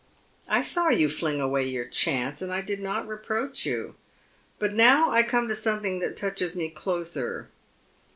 I saw you fling away your chance, and I did not reproach you. But now I come to something that touches me closer.